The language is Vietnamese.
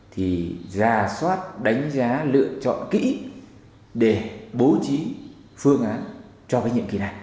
thì ra soát đánh giá lựa chọn kỹ để bố trí phương án cho cái nhiệm kỳ này